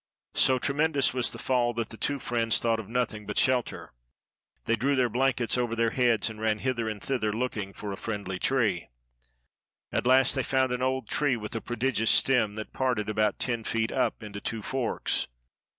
So tremendous was the fall that the two friends thought of nothing but shelter. They drew their blankets over their heads and ran hither and thither looking for a friendly tree. At last they found an old tree with a prodigious stem that parted about ten feet up into two forks.